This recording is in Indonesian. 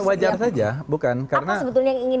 wajar saja apa sebetulnya yang ingin